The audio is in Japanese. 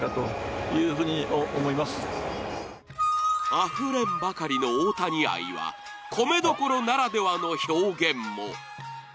あふれんばかりの大谷愛は米どころならではの表現も。